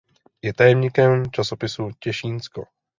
Je tajemníkem časopisu Těšínsko.